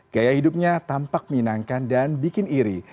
gaya hidupnya tampak menyenangkan dan bikin iri